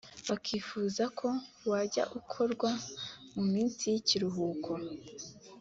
bakifuza ko wajya ukorwa mu minsi y’ikiruhuko